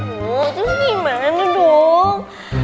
aduh terus gimana dong